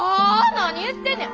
何言ってんねん。